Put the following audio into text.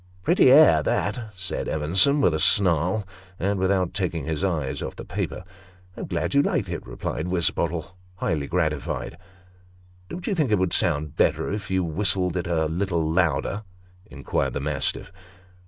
"Pretty air, that! " said Evenson, with a snarl, and without taking his eyes off the paper. 224 Sketches by Boz. '' Glad you like it," replied Wisbottle, highly gratified. " Don't you think it would sound better, if you whistled it a little louder ?" inquired the mastiff.